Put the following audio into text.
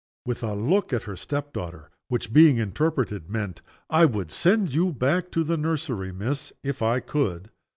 With a look at her step daughter which, being interpreted, meant, "I would send you back to the nursery, miss, if I could!"